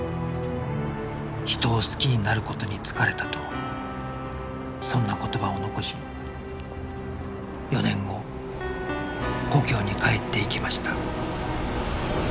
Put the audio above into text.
人を好きになる事に疲れたとそんな言葉を残し４年後故郷に帰っていきました